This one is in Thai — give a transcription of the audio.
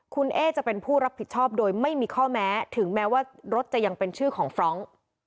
คุณเอ๊จะเป็นผู้รับผิดชอบโดยไม่มีข้อแม้ถึงแม้ว่ารถจะยังเป็นชื่อของฟรองก์